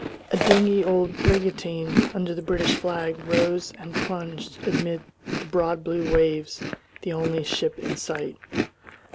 A dingy old brigantine under the British flag rose and plunged amid the broad blue waves the only ship in sight.